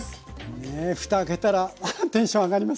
ねえふた開けたらアハッテンション上がりますね！